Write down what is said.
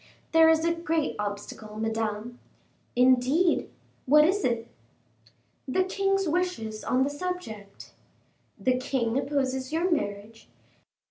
"There is a great obstacle, Madame." "Indeed! what is it?" "The king's wishes on the subject." "The king opposes your marriage?"